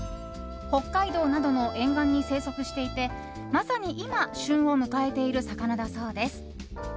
北海道などの沿岸に生息していてまさに今旬を迎えている魚だそうです。